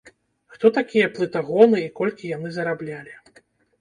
Хто такія плытагоны і колькі яны зараблялі?